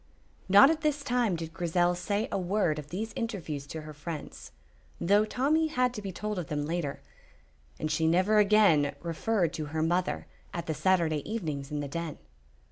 Not at this time did Grizel say a word of these interviews to her friends, though Tommy had to be told of them later, and she never again referred to her mother at the Saturday evenings in the Den.